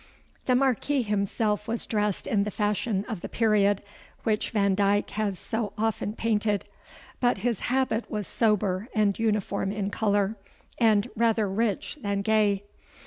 The Marquis himself was dressed in the fashion of the period, which Vandyke has so often painted, but his habit was sober and uniform in colour, and rather rich than gay.